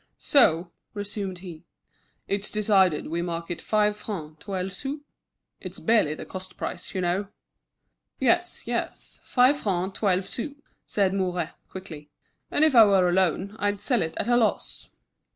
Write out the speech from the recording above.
"So," resumed he, "it's decided we mark it five francs twelve sous? It's barely the cost price, you know." "Yes, yes, five francs twelve sous," said Mouret, quickly: "and if I were alone, I'd sell it at a loss."